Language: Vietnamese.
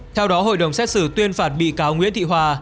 theo đó hội đồng xét xử tuyên phạt bị cáo nguyễn thị hòa